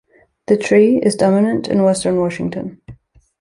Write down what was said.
The tree is dominant in western Washington.